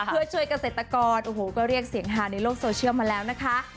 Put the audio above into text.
เพื่อช่วยเกษตรกรโอ้โหก็เรียกเสียงฮาในโลกโซเชียลมาแล้วนะคะ